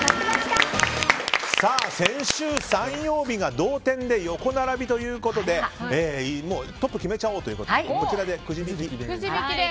先週、３曜日が同点で横並びということでトップ決めちゃおうとこちらでくじ引きで。